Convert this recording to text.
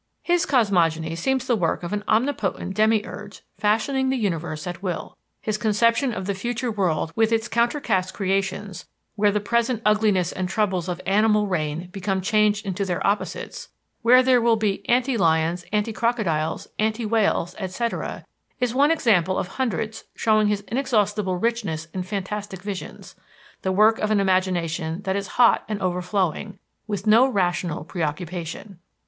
His cosmogony seems the work of an omnipotent demiurge fashioning the universe at will. His conception of the future world with its "counter cast" creations, where the present ugliness and troubles of animal reign become changed into their opposites, where there will be "anti lions," "anti crocodiles," "anti whales," etc., is one example of hundreds showing his inexhaustible richness in fantastic visions: the work of an imagination that is hot and overflowing, with no rational preoccupation.